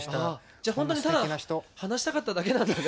じゃ本当にただ話したかっただけなんだね。